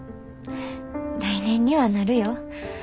来年にはなるよ。